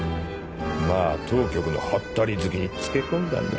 まぁ当局のハッタリ好きにつけ込んだんだ。